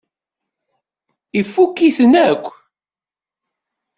Ifukk-iten akk.